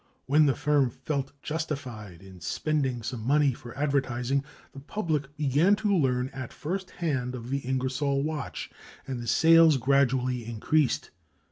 When the firm felt justified in spending some money for advertising, the public began to learn at first hand of the Ingersoll watch, and the sales gradually increased.